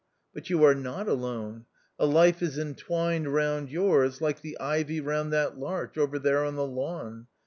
But you are not alone ; a life is entwined round yours like the ivy round that larch over there on the lawn.